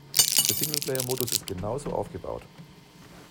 Der Single-Player-Modus ist genauso aufgebaut.